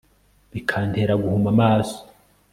bikantera guhuma amaso